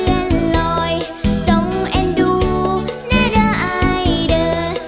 เย็นลอยจงเอ็นดูเน่เดอร์ไอเดอร์